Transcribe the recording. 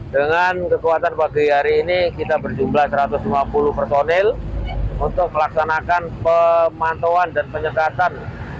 dengan kekuatan pagi hari ini kita berjumlah satu ratus lima puluh personil untuk melaksanakan pemantauan dan penyekatan